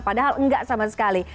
padahal nggak sama sekali